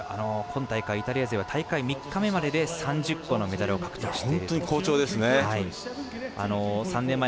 今大会、イタリア勢は大会３日目までで３０個のメダルを獲得していると。